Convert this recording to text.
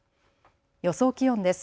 予想気温です。